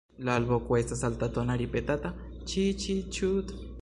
La alvoko estas altatona ripetata "ĉii-ĉii-ĉuut".